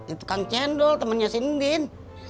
itu kang cendol temannya sindin